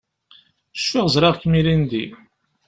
Cfiɣ ẓriɣ-kem ilindi.